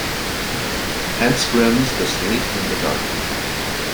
Hence Grimms, this leap in the dark.